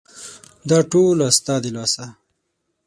دا ټوله ستا د لاسه !